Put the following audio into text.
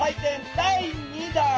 第２弾！